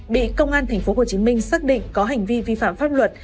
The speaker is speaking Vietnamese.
bị công an tp hcm xác định có hành vi vi phạm pháp luật